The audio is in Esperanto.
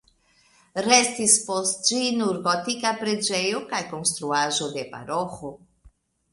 Restis post ĝi nur gotika preĝejo kaj konstruaĵo de paroĥo.